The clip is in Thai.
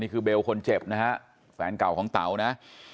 นี่คือเบลคนเจ็บนะฮะแฟนเก่าของเบลนะ